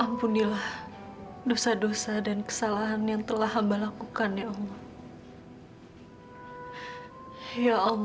alhamdulillah dosa dosa dan kesalahan yang telah hamba lakukan ya allah